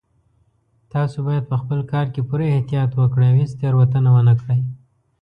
تاسو باید په خپل کار کې پوره احتیاط وکړئ او هیڅ تېروتنه ونه کړئ